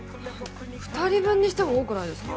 ２人分にしては多くないですか？